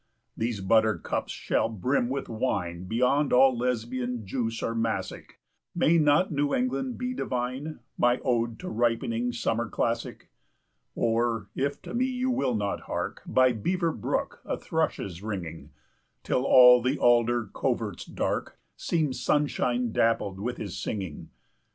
"These buttercups shall brim with wine 5 Beyond all Lesbian juice or Massic; May not New England be divine? My ode to ripening summer classic? "Or, if to me you will not hark, By Beaver Brook a thrush is ringing 10 Till all the alder coverts dark Seem sunshine dappled with his singing.